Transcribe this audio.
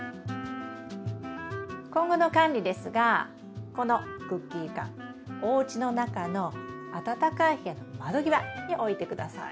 今後の管理ですがこのクッキー缶おうちの中の暖かい部屋の窓際に置いて下さい。